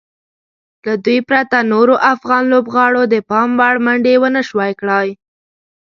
له دوی پرته نورو افغان لوبغاړو د پام وړ منډې ونشوای کړای.